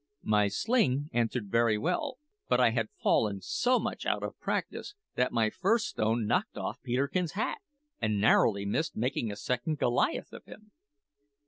My sling answered very well; but I had fallen so much out of practice that my first stone knocked off Peterkin's hat, and narrowly missed making a second Goliath of him.